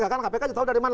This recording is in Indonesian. karena kpk tau dari mana